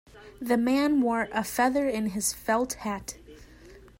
The man wore a feather in his felt hat.